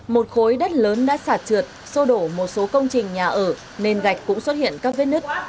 một khối đất lớn đã sạt trượt sô đổ một số công trình nhà ở nền gạch cũng xuất hiện các vết nứt